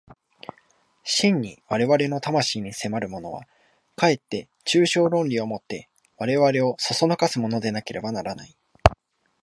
真に我々の魂に迫るものは、かえって抽象論理を以て我々を唆すものでなければならない。